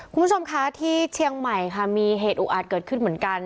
คุณผู้ชมคะที่เชียงใหม่ค่ะมีเหตุอุอาจเกิดขึ้นเหมือนกัน